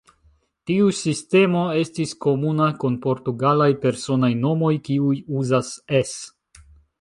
Tiu sistemo estis komuna kun portugalaj personaj nomoj, kiuj uzas "-es".